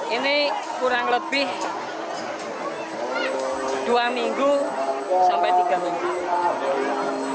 ini kurang lebih dua minggu sampai tiga minggu